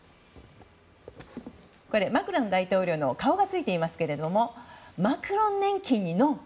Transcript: これ、マクロン大統領の顔がついていますけれどもマクロン年金にノン。